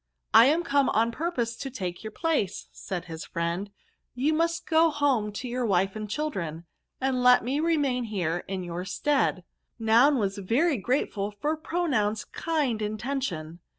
I am come on purpose to take your place,* said his fiieud ;^ you must go home to your wife and children, and let me remain here in your stead.' Noun was very grateful for Pronoun's kind intention.